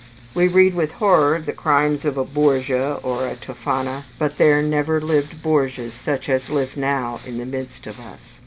We read with horror of the crimes of a Borgia or a Tophana; but there never lived Borgias such as live now in the midst of us.